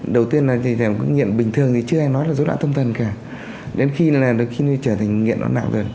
đầu tiên là cái nghiện bình thường thì chưa ai nói là dối loạn tâm thần cả đến khi trở thành nghiện nó nặng rồi